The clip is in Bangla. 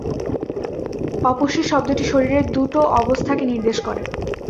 অপুষ্টি শব্দটি শরীরের দুটো অবস্থাকে নির্দেশ করে।